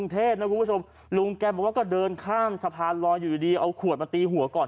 ทำว่าก็เดินข้ามสะพานร้อยอยู่ดีเอาขวดมาตีหัวก่อน